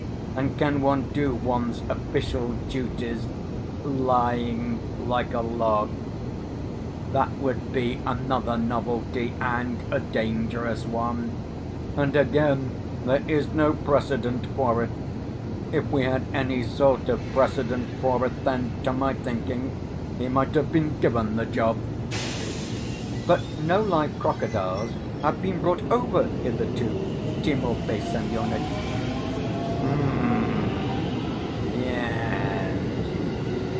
And, can one do one's official duties lying like a log? That would be another novelty and a dangerous one; and again, there is no precedent for it. If we had any sort of precedent for it, then, to my thinking, he might have been given the job." "But no live crocodiles have been brought over hitherto, Timofey Semyonitch." "Hm